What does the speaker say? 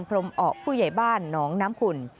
พรมออกผู้ใหญ่บ้านหนองน้ำขุ่น